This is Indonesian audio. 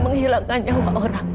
apa aida dan papanya tau soal ini